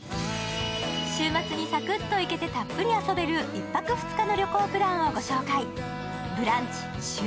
週末にサクッと行けてたっぷり遊べる１泊２日のプランをご紹介。